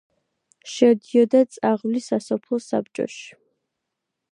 შედიოდა წაღვლის სასოფლო საბჭოში.